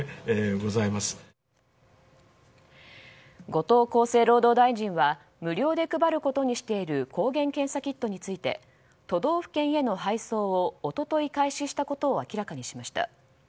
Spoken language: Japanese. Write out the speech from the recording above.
後藤厚生労働大臣は無料で配ることにしている抗原検査キットについて都道府県への配送を一昨日開始したことを明らかにしました。